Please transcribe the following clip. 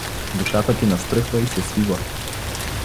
Душата ти настръхва и се свива.